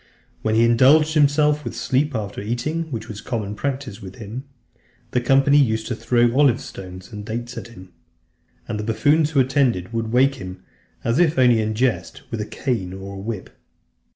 When he indulged himself with sleep after eating, which was a common practice with him, the company used to throw olive stones and dates at him. And the buffoons who attended would wake him, as if it were only in jest, with a cane or a whip.